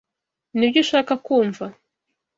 Nibyo ushaka kumva?